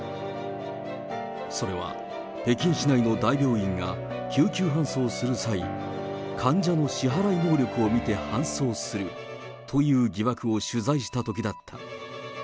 それは、北京市内の大病院が救急搬送する際、患者の支払い能力を見て搬送するという疑惑を取材したときだった。